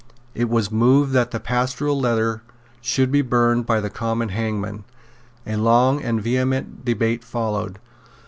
It was moved that the Pastoral Letter should be burned by the common hangman. A long and vehement debate followed.